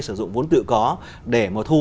sử dụng vốn tự có để mà thu